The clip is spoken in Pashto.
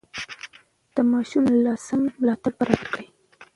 د ماشوم د ملا سم ملاتړ برابر کړئ.